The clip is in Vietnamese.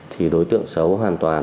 thì đối tượng xấu hoàn toàn